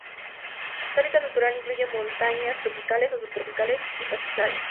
Su hábitat natural incluye montañas tropicales o subtropicales y pastizales.